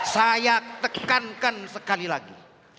saya tekankan sekali lagi